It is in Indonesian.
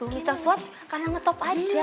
kisah fuad karena ngetop aja